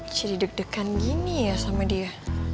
jadi deg degan gini ya sama dia